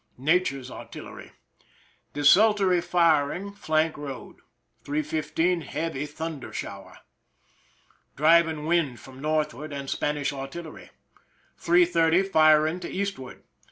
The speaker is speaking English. Nature's artillery. Desultory firing^ flank road. 3 :15, heavy thunder shower. Driving wind from, northward, and Spanish artillery. 3 : 30, firing to eastward.